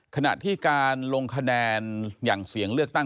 ขณะที่การลงคะแนนอย่างเสียงเลือกตั้ง